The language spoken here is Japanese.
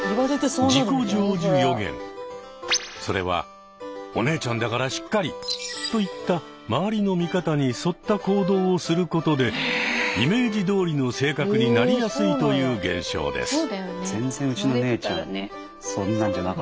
それは「お姉ちゃんだからしっかり」といった周りの見方に沿った行動をすることでイメージどおりの性格になりやすいという現象です。